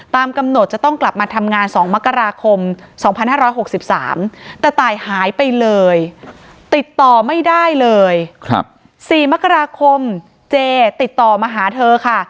ตามกำหนดจะต้องกลับมาทำงานสองมกราคมสองพันห้าร้อยหกสิบสามแต่ตายหายไปเลยติดต่อไม่ได้เลยครับสี่มกราคมเจติดต่อมาหาเธอค่ะ